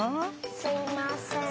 すいません。